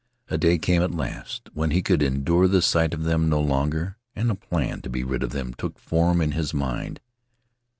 A day came at last when he could endure the sight of them no longer, and a plan to be rid of them took form in his mind.